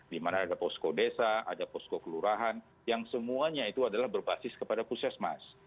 di mana ada posko desa ada posko kelurahan yang semuanya itu adalah berbasis kepada puskesmas